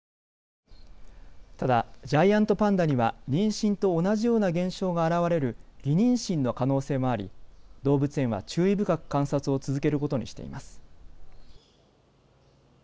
ただ、ジャイアントパンダには妊娠と同じような現象が現れる偽妊娠の可能性もあり動物園は注意深く観察を続けることにしています。